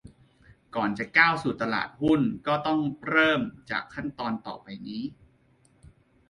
ก่อนจะก้าวเข้าสู่ตลาดหุ้นก็ต้องเริ่มจากขั้นตอนต่อไปนี้